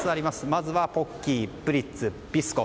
まずはポッキープリッツ、ビスコ。